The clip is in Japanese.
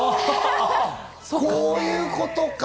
こういうことか。